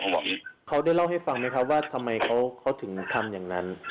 หวังเขาได้เล่าให้ฟังไหมครับว่าทำไมเขาถึงทำอย่างนั้น